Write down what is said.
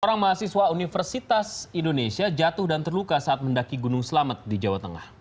orang mahasiswa universitas indonesia jatuh dan terluka saat mendaki gunung selamet di jawa tengah